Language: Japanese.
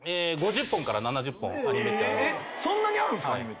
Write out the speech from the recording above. そんなにあるんすか⁉アニメ。